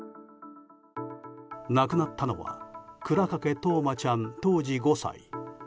亡くなったのは倉掛冬生ちゃん当時５歳。